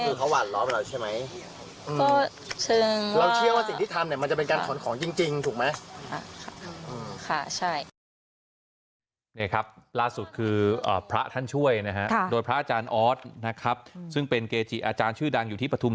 นี่คือเขาหวั่นร้อนเราใช่ไหมเราเชื่อว่าสิ่งที่ทำเนี่ยมันจะเป็นการขนของจริงถูกไหม